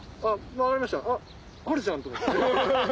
上がりました「あっあるじゃん」と思って。